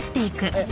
えっ？